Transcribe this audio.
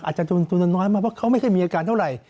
อาจจะมีจุดน้อยมากเพราะเขาไม่ค่อยมีอาการเท่าไร